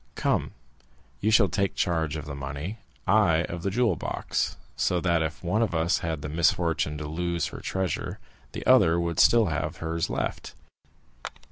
Come, you shall take charge of the money, I of the jewel box; so that if one of us had the misfortune to lose her treasure, the other would still have hers left.